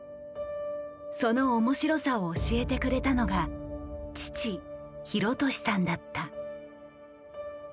その面白さを教えてくれたのが父広利さんだった。